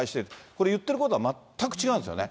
これ、言ってることが全く違うんですよね。